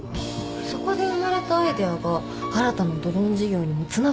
そこで生まれたアイデアが新たなドローン事業にもつながるかもしれませんし。